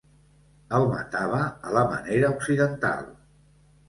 El matava a la manera occidental.